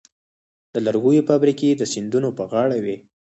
د لرګیو فابریکې د سیندونو په غاړه وې.